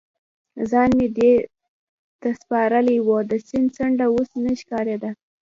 ځان مې دې ته سپارلی و، د سیند څنډه اوس نه ښکارېده.